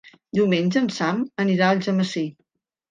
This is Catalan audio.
Diumenge en Sam anirà a Algemesí.